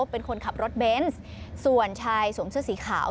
เป็นคนขับรถเบนส์ส่วนชายสวมเสื้อสีขาว